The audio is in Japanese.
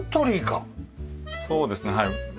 そうですねはい。